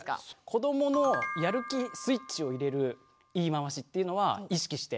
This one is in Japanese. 子どものやる気スイッチを入れる言い回しっていうのは意識して声かけしてて。